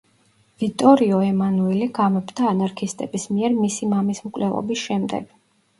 ვიტორიო ემანუელე გამეფდა ანარქისტების მიერ მისი მამის მკვლელობის შემდეგ.